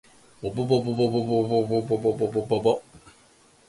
ぼぼぼぼぼぼぼぼぼぼ